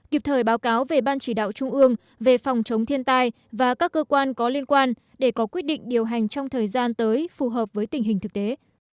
kịp thời báo cáo về ban chỉ đạo trung ương về phòng chống thiên tai và các cơ quan có liên quan để có quyết định điều hành trong thời gian tới phù hợp với tình hình thực tế